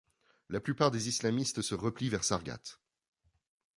La plupart des islamistes se replient vers Sargat.